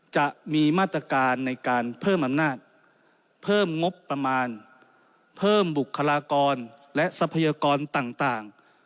จะมีมาตรการในการเพิ่มอำนาจเพิ่มงบประมาณเพิ่มบุคลากรและทรัพยากรต่าง